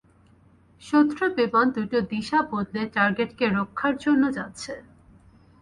শত্রু বিমান দুটো দিশা বদলে টার্গেটকে রক্ষার জন্য যাচ্ছে।